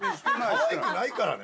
かわいくないからね。